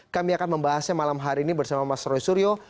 kami akan membahasnya malam hari ini bersama mas roy suryo